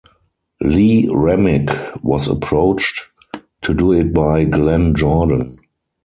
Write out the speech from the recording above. Lee Remick was approached to do it by Glenn Jordan.